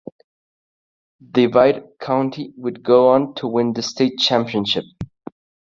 Divide County would go on to win the state championship.